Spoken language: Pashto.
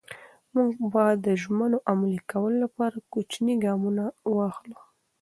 موږ به د ژمنو عملي کولو لپاره کوچني ګامونه واخلو.